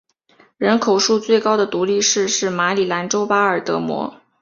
人口数最高的独立市是马里兰州巴尔的摩。